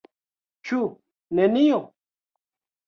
Ĉu nenio?